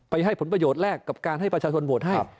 ให้ผลประโยชน์แรกกับการให้ประชาชนโหวตให้